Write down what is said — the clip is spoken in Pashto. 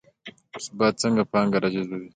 ثبات څنګه پانګه راجذبوي؟